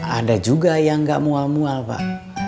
ada juga yang nggak mual mual pak